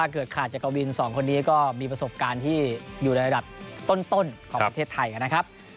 เกิดขาดจักรวิน๒คนนี้ก็มีประสบการณ์ที่อยู่ในระดับต้นของประเทศไทยนะครับ